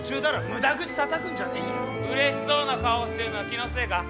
うれしそうな顔してるのは気のせいか？